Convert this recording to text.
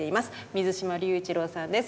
水嶋龍一郎さんです。